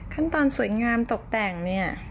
ขั้นตอนสวยงามตกแต่งเนี่ย